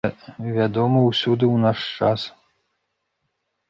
Вядома ўсюды ў наш час.